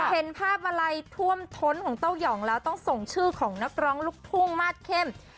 เป็นหลักร้านนะใช่มันก็นุ่มธุ้งมาทเค่ม